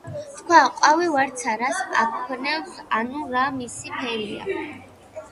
თქვა: ყვავი ვარდსა რას აქნევს ანუ რა მისი ფერია